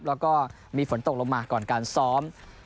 และมีฝนตกลงมาก่อนการอออฟสอม